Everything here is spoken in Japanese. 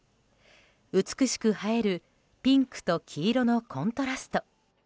美しく映えるピンクと黄色のコントラスト。